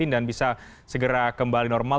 dan bisa segera kembali normal